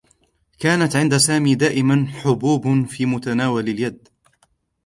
كانت عند سامي دائما حبوب في متناول اليد.